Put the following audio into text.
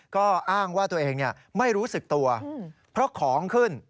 ก็อ้างว่าตัวเองไม่รู้สึกตัวเพราะของขึ้น